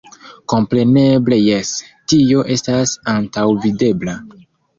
Kompreneble jes, tio estis antaŭvidebla.